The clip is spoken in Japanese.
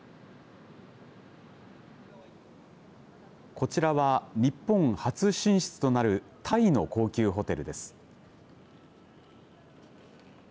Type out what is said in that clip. こちらは日本初進出となるタイの高級ホテルです。